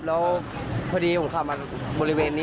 แล้วพอดีผมขับมาบริเวณนี้